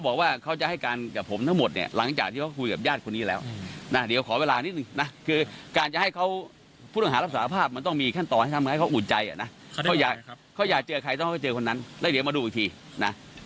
บอกว่าจะให้ญาติที่แอมไว้ใจเข้าพบแอมส์วันนี้๑๐โมงเช้า